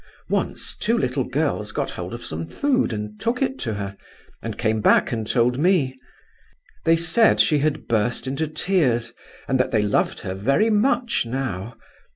"Once two little girls got hold of some food and took it to her, and came back and told me. They said she had burst into tears, and that they loved her very much now.